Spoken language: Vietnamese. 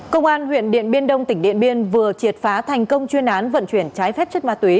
công an huyện điện biên đông tỉnh điện biên vừa triệt phá thành công chuyên án vận chuyển trái phép chất ma túy